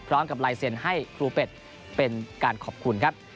พร้อมกับลายเซ็นต์ให้ครูเป็ดเป็นการขอบคุณครับ